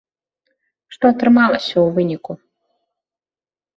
Што атрымалася ў выніку?